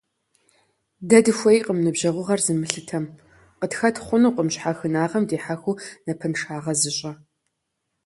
Дэ дыхуейкъым ныбжьэгъугъэр зымылъытэм, къытхэт хъунукъым щхьэхынагъэм дихьэхыу напэншагъэ зыщӀэ.